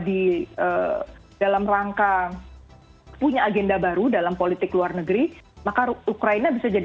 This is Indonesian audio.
jadi kalau kita lihat bahwa amerika serikat sekarang dalam posisi belum ada tempat main baru gitu ya